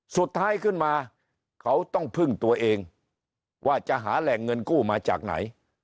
สุดท้ายขึ้นมาเขาต้องพึ่งตัวเองว่าจะหาแหล่งเงินกู้มาจากไหน